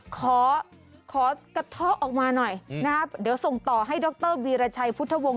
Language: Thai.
ขอขอกระเทาะออกมาหน่อยนะครับเดี๋ยวส่งต่อให้ดรวีรชัยพุทธวงศ